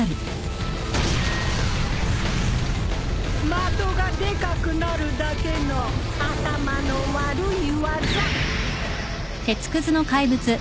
的がでかくなるだけの頭の悪い技。